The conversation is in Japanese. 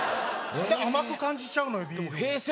甘く感じちゃうのビール